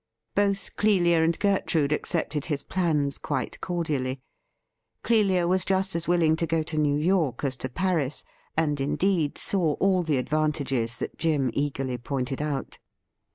Both Clelia and Gertrude accepted his plans quite cordially. Clelia was just as wilhng to go to New York as to Paris, and, indeed, saw all the advantages that Jim eagerly pointed out.